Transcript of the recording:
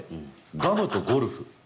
ガムとゴルフ。